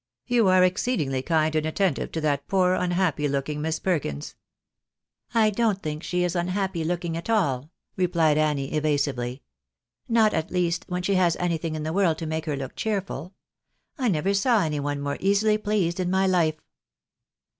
You are exceedingly kind and attentive to that poor unhappy looking Miss Perkins." " I don't think she is unhappy looking at all," replied Annie, evasively. " Not, at least, when she has anything in the world to make her look cheerful. I never saw any one more easily pleased in my life."